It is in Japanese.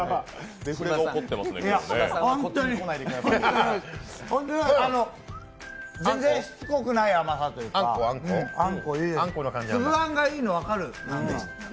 いや、ホントに全然しつこくない甘さというか、つぶ餡がいいの、分かる。